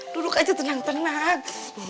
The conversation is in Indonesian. duduk aja tenang tenang